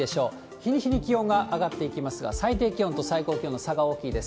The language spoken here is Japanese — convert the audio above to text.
日に日に気温が上がっていきますが、最低気温と最高気温の差が大きいです。